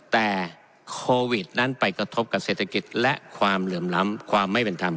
แต่โควิดนั้นไปกระทบกับเศรษฐกิจและความเหลื่อมล้ำความไม่เป็นธรรม